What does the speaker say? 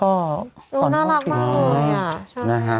น่ารักมากเลย